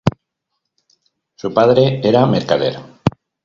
Su padre era mercader.